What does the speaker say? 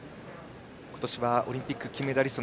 今年はオリンピック金メダリスト